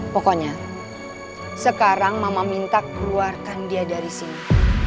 pokoknya sekarang mama minta keluarkan dia dari sini